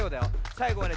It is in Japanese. さいごはね